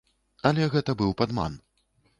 Але гэта быў падман.